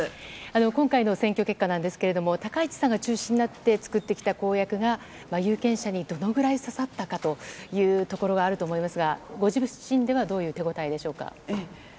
今回の選挙結果なんですけれども、高市さんが中心になって作ってきた公約が、有権者にどのくらい刺さったかというところがあると思いますが、ご自身ではどういう手応えでしょうか。